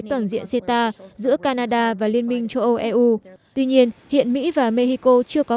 toàn diện ceta giữa canada và liên minh châu âu eu tuy nhiên hiện mỹ và mexico chưa có